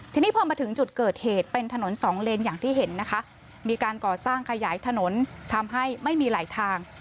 ทีนี้พอมาถึงจุดเกิดเหตุเป็นถนนสองเลนอย่างที่เห็นนะคะมีการก่อสร้างขยายถนนทำให้ไม่มีหลายทาง